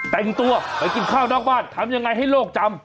แต่งตัวไปกินข้าวนอกบ้านทำยังไงให้โลกจำ